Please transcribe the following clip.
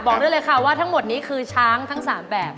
ได้เลยค่ะว่าทั้งหมดนี้คือช้างทั้ง๓แบบ